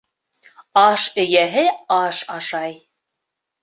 Аш эйәһе аш ашай